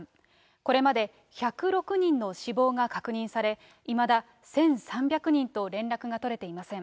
これまで１０６人の死亡が確認され、いまだ１３００人と連絡が取れていません。